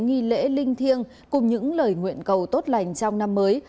nghi lễ linh thiêng cùng những lời nguyện cầu tốt lành trong năm mới